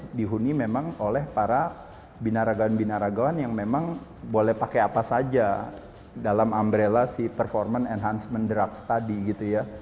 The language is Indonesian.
jadi otomatis dihuni memang oleh para binaragaan binaragawan yang memang boleh pakai apa saja dalam umbrella si performance enhancement drug study gitu ya